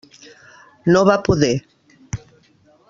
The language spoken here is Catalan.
No va poder.